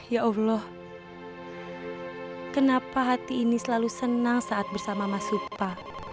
ya allah kenapa hati ini selalu senang saat bersama mas supa